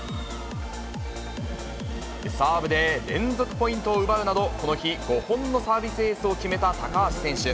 サーブで連続ポイントを奪うなど、この日、５本のサービスエースを決めた高橋選手。